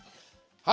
はい。